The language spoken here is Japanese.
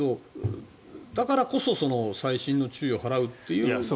だからこそ細心の注意を払うという。